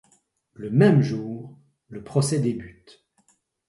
Le même jour, le procès débute.